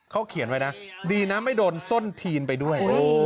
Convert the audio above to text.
เขาเขียนไว้นะดีนะไม่โดนส้นทีนไปด้วย